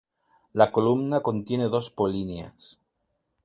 La columna contiene dos polinias.